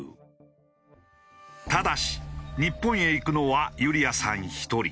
ただし日本へ行くのはユリヤさん１人。